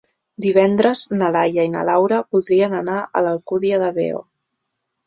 Divendres na Laia i na Laura voldrien anar a l'Alcúdia de Veo.